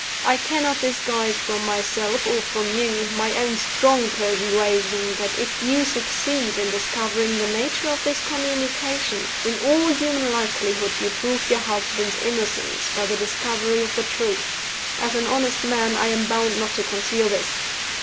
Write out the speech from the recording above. I cannot disguise from myself or from you, my own strong persuasion that if you succeed in discovering the nature of this communication, in all human likelihood you prove your husband's innocence by the discovery of the truth. As an honest man, I am bound not to conceal this.